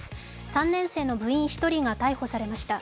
３年生の部員１人が逮捕されました。